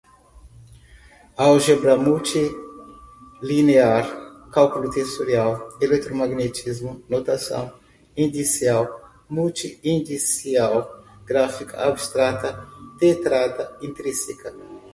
álgebra multilinear, cálculo tensorial, eletromagnetismo, notação indicial, multi-indicial, gráfica, abstrata, tetrada, intrínseca